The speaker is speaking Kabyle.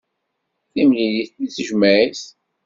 Timlilit deg tejmaɛt.